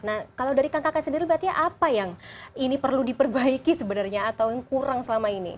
nah kalau dari kang kakak sendiri berarti apa yang ini perlu diperbaiki sebenarnya atau yang kurang selama ini